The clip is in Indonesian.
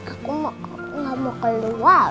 aku gak mau keluar